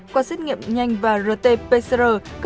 qua xét nghiệm nhanh và rt pexr